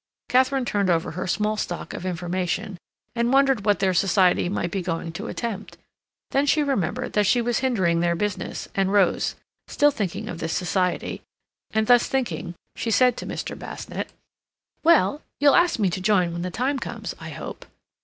Katharine turned over her small stock of information, and wondered what their society might be going to attempt. Then she remembered that she was hindering their business, and rose, still thinking of this society, and thus thinking, she said to Mr. Basnett: "Well, you'll ask me to join when the time comes, I hope."